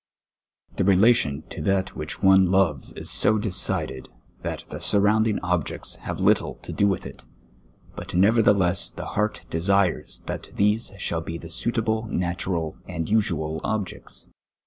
The relation to tliat which one loves is so decided, that the smToundinjj; objects have little to do with it, but neverthe less the heart desires that these shall be the suitable, natural, and usual objects.